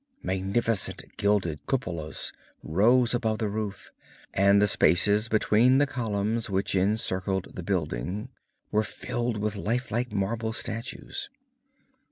Magnificent gilded cupolas rose above the roof, and the spaces between the columns which encircled the building were filled with life like marble statues.